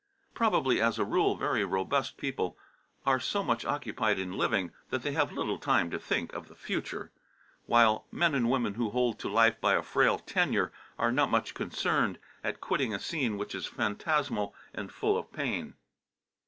Probably as a rule very robust people are so much occupied in living that they have little time to think of the future, while men and women who hold to life by a frail tenure are not much concerned at quitting a scene which is phantasmal and full of pain.